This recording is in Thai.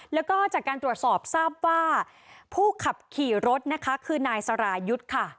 แล้วก็จากการตรวจสอบทราบว่าผู้ขับขี่รถนะคะคือนายสรายุทธ์ค่ะ